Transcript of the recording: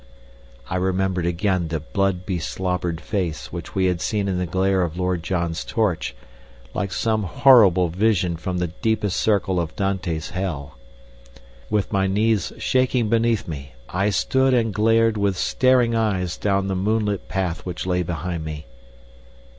I remembered again the blood beslobbered face which we had seen in the glare of Lord John's torch, like some horrible vision from the deepest circle of Dante's hell. With my knees shaking beneath me, I stood and glared with starting eyes down the moonlit path which lay behind me.